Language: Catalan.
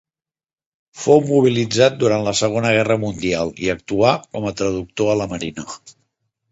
Fou mobilitzat durant la Segona Guerra mundial i actuà com a traductor a la marina.